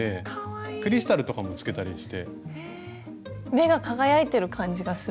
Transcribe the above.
目が輝いてる感じがする。